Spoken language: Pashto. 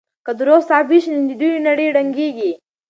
که دروغ ثابت شي نو د دوی نړۍ ړنګېږي.